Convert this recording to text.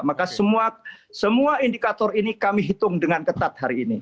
maka semua indikator ini kami hitung dengan ketat hari ini